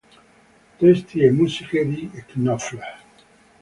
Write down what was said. Testi e musiche di Knopfler.